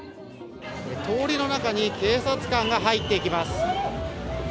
通りの中に、警察官が入っていきます。